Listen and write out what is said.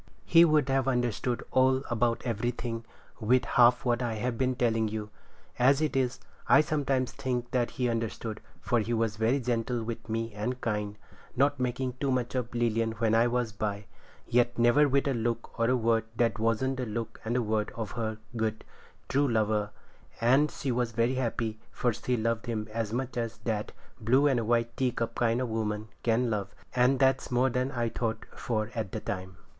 He would have understood all about everything with half what I have been telling you. As it is, I sometimes think that he understood, for he was very gentle with me and kind, not making too much of Lilian when I was by, yet never with a look or a word that wasn't the look and the word of her good, true lover; and she was very happy, for she loved him as much as that blue and white teacup kind of woman can love; and that's more than I thought for at the time.